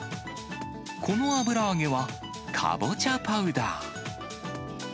この油揚げはかぼちゃパウダー。